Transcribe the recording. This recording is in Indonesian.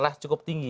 teras cukup tinggi